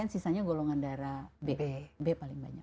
sisanya golongan darah b